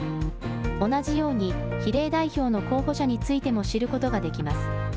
同じように比例代表の候補者についても知ることができます。